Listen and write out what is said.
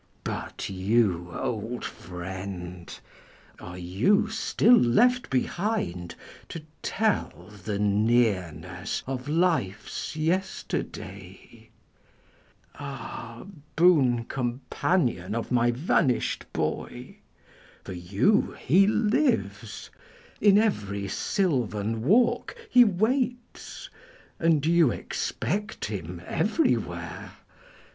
But you old friend, are you still left behind To tell the nearness of life's yesterday ? THE FALLEN 379 Ah, boon companion of my vanished boy, For you he lives ; in every sylvan walk He waits ; and you expect him everywhere.